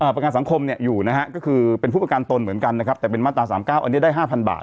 ประกันสังคมอยู่นะฮะก็คือเป็นผู้ประกันตนเหมือนกันนะครับแต่เป็นมาตรา๓๙อันนี้ได้๕๐๐บาท